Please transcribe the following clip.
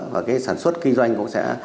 và cái sản xuất kinh doanh cũng sẽ